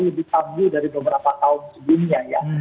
lebih tabu dari beberapa tahun sebelumnya